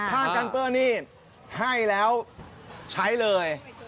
ผ้ากันเปื้อนนี้ให้แล้วใช้เลย